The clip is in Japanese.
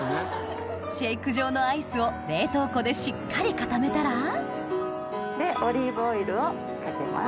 シェイク状のアイスを冷凍庫でしっかり固めたらでオリーブオイルをかけます。